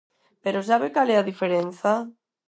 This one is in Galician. ¿Pero sabe cal é a diferenza?